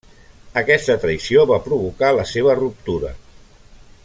Aquesta traïció va provocar la seva ruptura.